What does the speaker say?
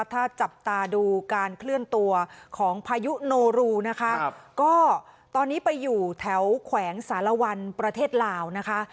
ถ้าจับตาดูการเคลื่อนตัวของพายุโนรูนะคะก็ตอนนี้ไปอยู่แถวแขวงสารวันประเทศลาวนะคะ